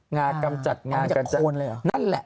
งากำจัดงากำจัดนั่นแหละ